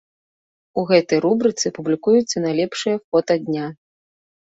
У гэтай рубрыцы публікуецца найлепшае фота дня.